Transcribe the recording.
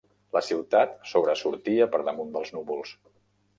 La ciutat sobresortia per damunt dels núvols.